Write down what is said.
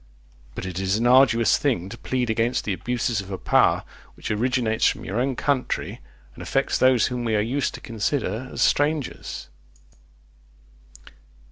But it is an arduous thing to plead against abuses of a power which originates from your own country, and affects those whom we are used to consider as strangers....